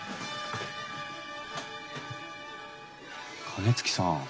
金築さん。